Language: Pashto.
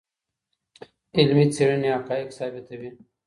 علمي څېړني حقایق ثابتوي.